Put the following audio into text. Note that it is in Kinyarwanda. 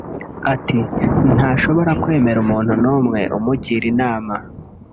Ati“Ntashobora kwemera umuntu n’umwe umugira inama